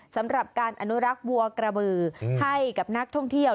สำหรับการอนุรักษ์วัวกระบือให้กับนักท่องเที่ยว